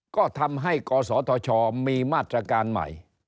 ก็ทำให้กศธชมีมาตรการใหม่